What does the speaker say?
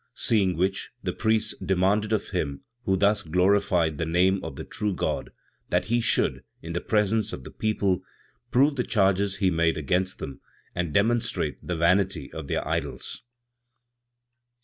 Seeing which, the priests demanded of him who thus glorified the name of the true God, that he should, in the presence of the people, prove the charges he made against them, and demonstrate the vanity of their idols.